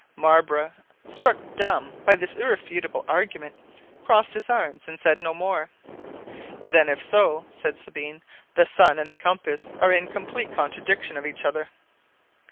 Marbre, struck dumb by this irrefutable argument, crossed his arms and said no more. "Then if so," said Sabine, "the sun and the compass are in complete contradiction of each other?"